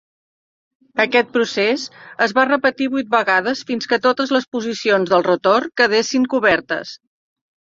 Aquest procés es va repetir vuit vegades fins que totes les posicions del rotor quedessin cobertes.